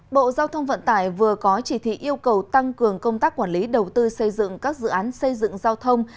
bộ giao thông vận tải vừa có chỉ thị yêu cầu tăng cường công tác quản lý đầu tư xây dựng các dự án xây dựng giao thông